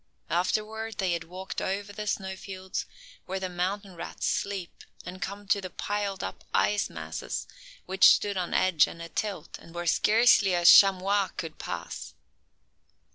Afterward, they had walked over the snowfields, where the mountain rats sleep, and come to the piled up ice masses, which stood on edge and a tilt, and where scarcely a chamois could pass.